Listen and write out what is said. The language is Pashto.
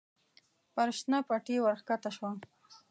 پر شنه پټي ور کښته شوه.